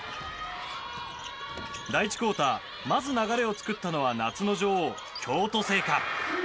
第１クオーターまず流れを作ったのは夏の女王・京都精華。